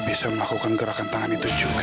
bisa melakukan gerakan tangan itu juga